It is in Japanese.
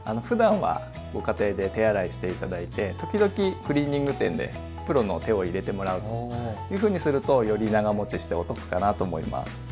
ふだんはご家庭で手洗いして頂いて時々クリーニング店でプロの手を入れてもらうというふうにするとより長もちしてお得かなと思います。